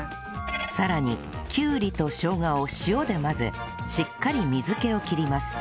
さらにきゅうりとしょうがを塩で混ぜしっかり水気を切ります